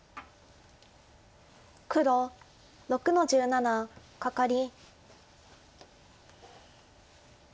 黒６の十七カカリ。